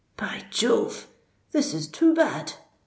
"By Jove—this is too bad!"